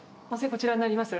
こちらになります。